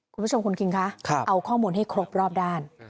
คุณผู้ชมคุณคิงคะเอาข้อมูลให้ครบรอบด้าน